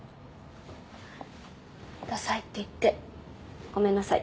ださいって言ってごめんなさい。